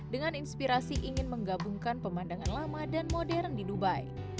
dengan inspirasi ingin menggabungkan pemandangan lama dan modern di dubai